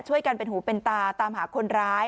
ช่วยกันเป็นหูเป็นตาตามหาคนร้าย